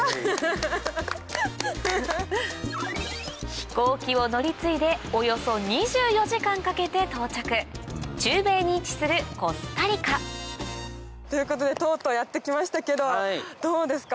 飛行機をかけて到着中米に位置するコスタリカということでとうとうやって来ましたけどどうですか？